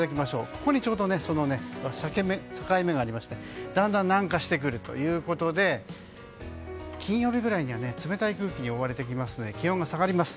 ここにちょうど境目がありましてだんだん南下してくるということで金曜日くらいには冷たい空気に覆われてきますので気温が下がります。